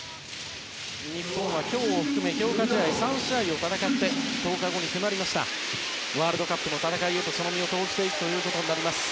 日本は今日を含め強化試合を３試合を戦って１０日後に迫りましたワールドカップの戦いへとその身を投じていくことになります。